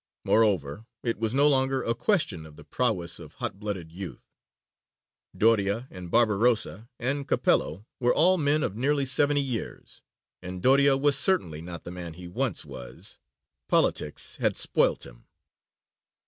Moreover, it was no longer a question of the prowess of hot blooded youth: Doria and Barbarossa and Capello were all men of nearly seventy years, and Doria was certainly not the man he once was; politics had spoilt him.